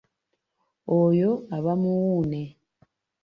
Oyo aba muwuune.